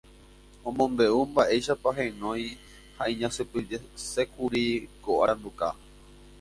Omombe'u mba'éichapa heñói ha iñapysẽkuri ko aranduka.